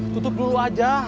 tutup dulu aja